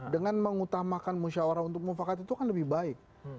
dengan mengutamakan musyawarah untuk mufakat itu kan lebih baik